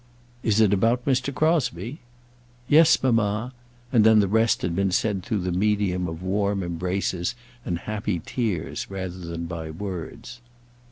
"Is it about Mr. Crosbie?" "Yes, mamma." And then the rest had been said through the medium of warm embraces and happy tears rather than by words.